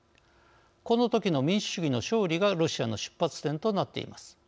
このときの「民主主義の勝利」がロシアの出発点となっています。